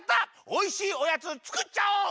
おいしいおやつつくっちゃおう！